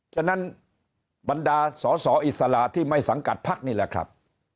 ฉะนั้นบรรดาสอสออิสระที่ไม่สังกัดพักนี่แหละครับ